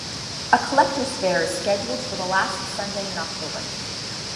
A collectors fair is scheduled for the last Sunday in October.